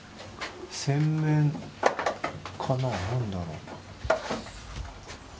洗面かな何だろう？